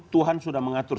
tuhan sudah mengatur